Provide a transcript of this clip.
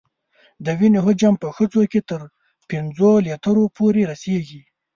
د وینې حجم په ښځو کې تر پنځو لیترو پورې رسېږي.